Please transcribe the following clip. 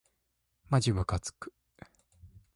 まじむかつく